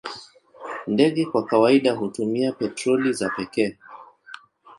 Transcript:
Ndege kwa kawaida hutumia petroli za pekee.